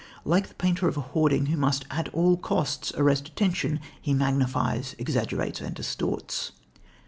Like the painter of a hoarding who must at all costs arrest attention, he magnifies, exaggerates and distorts.